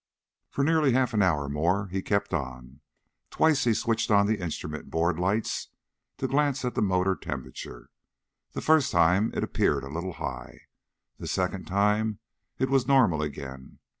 For nearly half an hour more he kept on. Twice he switched on the instrument board light to glance at the motor temperature. The first time it appeared a little high. The second time it was normal again.